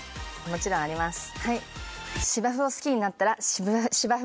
もちろんあります。